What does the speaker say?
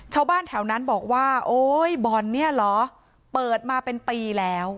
ชาวบ้านแถวนั้นบอกว่าโอ๊ยบ่อนเนี่ยเหรอเปิดมาเป็นปีแล้ว